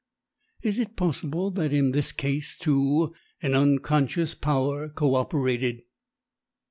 Is it possible that in this case, too, an 'unconscious power' co operated?"